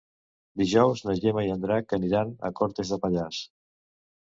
Dijous na Gemma i en Drac aniran a Cortes de Pallars.